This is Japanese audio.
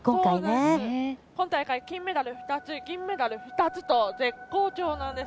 今大会金メダル２つ、銀メダル２つと絶好調なんです。